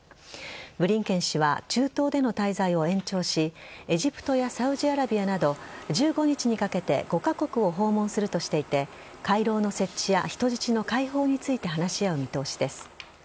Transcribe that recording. ブリンケン氏は中東での滞在を延長しエジプトやサウジアラビアなど１５日にかけて５カ国を訪問するとしていて回廊の設置や人質の解放について話し合う見通しです。